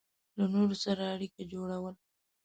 له نورو سره اړیکې جوړول